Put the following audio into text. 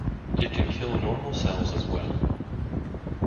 It can kill normal cells as well.